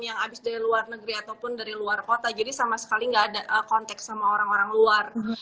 yang abis dari luar negeri ataupun dari luar kota jadi sama sekali nggak ada kontak sama orang orang luar